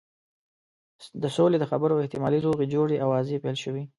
د سولې د خبرو او احتمالي روغې جوړې آوازې پیل شوې.